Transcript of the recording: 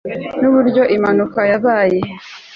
Nuburyo impanuka yabaye